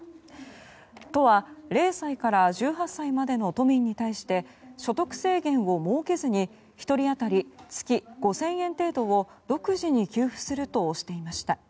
都は、０歳から１８歳までの都民に対して所得制限を設けずに１人当たり、月５０００円程度を独自に給付するとしていました。